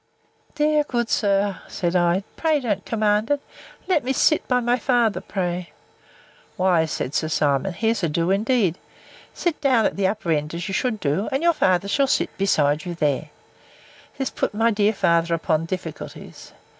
Dear, good sir, said I, pray don't command it! Let me sit by my father, pray! Why, said Sir Simon, here's ado indeed! Sit down at the upper end, as you should do; and your father shall sit by you, there. This put my dear father upon difficulties.